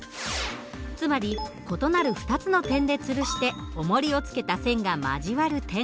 つまり異なる２つの点でつるしておもりを付けた線が交わる点